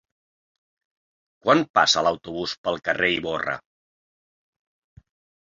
Quan passa l'autobús pel carrer Ivorra?